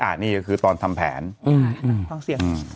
อ่ะนี่ก็คือตอนทำแผนอืมอืมฟังเสียง